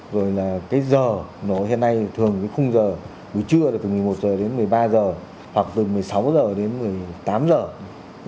rồi là cái giờ nổ hiện nay thường cái khung giờ buổi trưa là từ một mươi một h đến một mươi ba h hoặc từ một mươi sáu h đến một mươi tám h